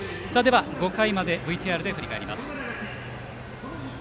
５回までＶＴＲで振り返ります。